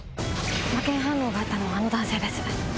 麻検反応があったのはあの男性です。